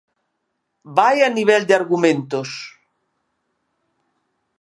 ¡Vaia nivel de argumentos!